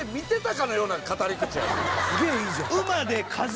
すげえいいじゃん。